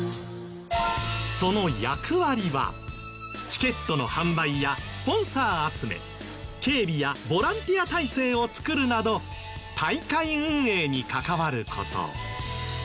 その役割はチケットの販売やスポンサー集め警備やボランティア体制を作るなど大会運営に関わる事。